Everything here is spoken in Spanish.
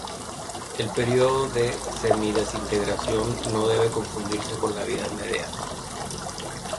El período de semidesintegración no debe confundirse con la vida media.